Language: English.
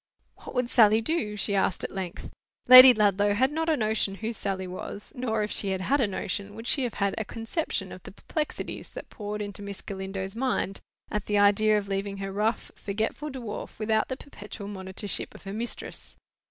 "What would Sally do?" she asked at length. Lady Ludlow had not a notion who Sally was. Nor if she had had a notion, would she have had a conception of the perplexities that poured into Miss Galindo's mind, at the idea of leaving her rough forgetful dwarf without the perpetual monitorship of her mistress.